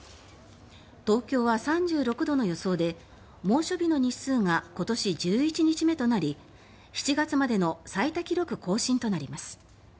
東京は３６度の予想で猛暑日の日数が今年、１１日目となり７月までの最多記録更新となります。